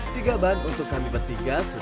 tiga ban untuk kami bertiga